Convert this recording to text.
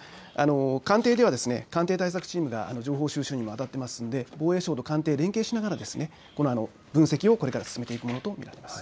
ですから官邸では官邸対策チームが情報収集にもあたっていますので防衛省と官邸、連携しながら分析をこれから進めていくものと見られます。